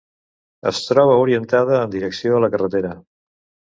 Es troba orientada en direcció a la carretera.